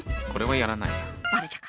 これはやらないな。